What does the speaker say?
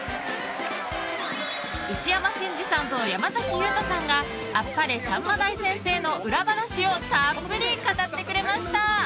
内山信二さんと山崎裕太さんが「あっぱれさんま大先生」の裏話をたっぷり語ってくれました！